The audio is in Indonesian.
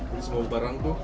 jadi semua barang tuh